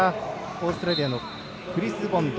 オーストラリアのクリス・ボンド。